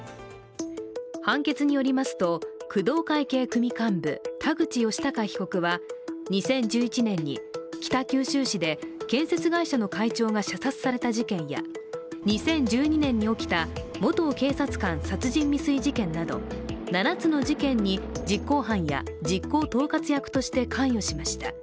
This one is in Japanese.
判決によりますと、工藤会系組幹部田口義高被告は２０１１年に北九州市で建設会社の会長が射殺された事件や２０１２年に起きた、元警察官殺人未遂事件など７つの事件に実行犯や実行統括役として関与しました。